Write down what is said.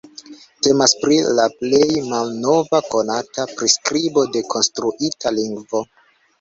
Temas pri la plej malnova konata priskribo de konstruita lingvo.